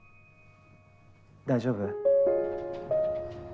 大丈夫？